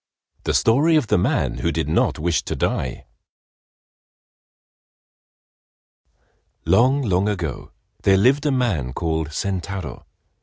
THE STORY OF THE MAN WHO DID NOT WISH TO DIE Long, long ago there lived a man called Sentaro.